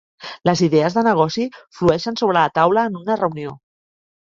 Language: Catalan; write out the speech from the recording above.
Les idees de negoci flueixen sobre la taula en una reunió.